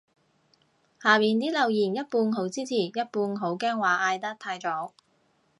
下面啲留言一半好支持一半好驚話嗌得太早